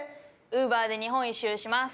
ウーバーで日本一周します。